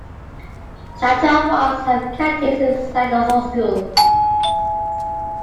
Chatrawas have canteens inside the hostel.